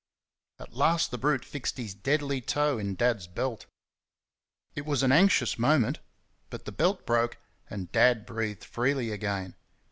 At last the brute fixed his deadly toe in Dad's belt. It was an anxious moment, but the belt broke, and Dad breathed freely again.